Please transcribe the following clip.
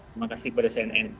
terima kasih kepada cnn